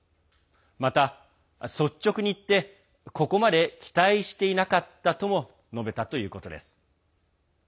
また、率直に言ってここまで期待していなかったとも述べたということです。